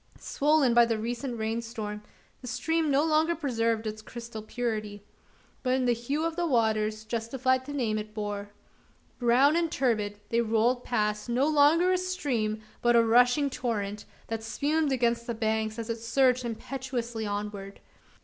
Swollen by the recent rain storm, the stream no longer preserved its crystal purity; but in the hue of its waters justified the name it bore. Brown and turbid, they rolled past no longer a stream, but a rushing torrent that spumed against the banks, as it surged impetuously onward.